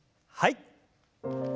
はい。